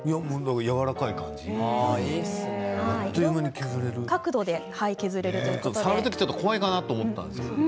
やわらかいあっと言う間に削れる触る時、ちょっと怖いかなと思ったの。